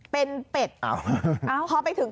เป็นเป็ดพอไปถึง